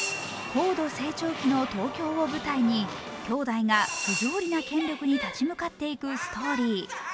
高度成長期の東京を舞台にきょうだいが不条理な権力に立ち向かっていくストーリー。